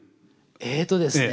えっとですね